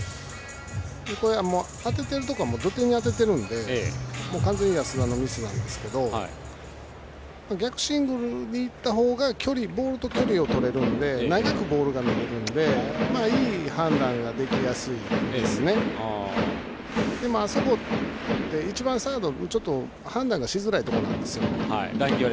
これは当てているところは土手に当てているので完全に安田のミスなんですけど逆シングルでいったほうがボールと距離をとれて長くボールが抜けるんでいい判断ができやすいんですがただ、ライン際は一番サードは判断しづらいところなんです。